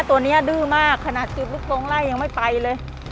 ตัวนี้ดื้อมากขนาดจุดลูกทงไล่ยังไม่ไปเลย